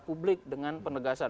secara publik dengan penegasan